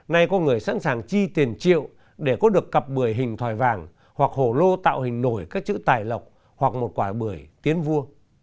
nay có người sẵn sàng chi tiền triệu để có được cặp bưởi hình thòi vàng hoặc hổ lô tạo hình nổi các chữ tài lộc hoặc một quả bưởi tiến vua